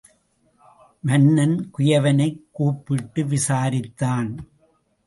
மன்னன் குயவனைக் கூப்பிட்டு விசாரித்தான்.